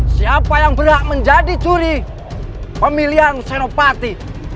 siapa yang berhak menjadi curi pemilihan senopati